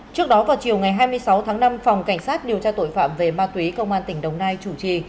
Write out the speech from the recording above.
trước đó vào chiều ngày hai mươi sáu tháng năm phòng cảnh sát điều tra tội phạm về ma túy công an tỉnh đồng nai chủ trì